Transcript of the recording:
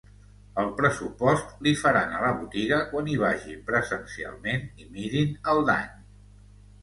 El pressupost li faran a la botiga quan hi vagi presencialment i mirin el dany.